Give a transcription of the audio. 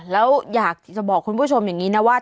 แล้วอยากจะบอกคุณผู้ชมอย่างนี้นะว่า